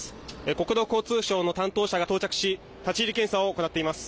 国土交通省の担当者が到着し、立ち入り検査を行っています。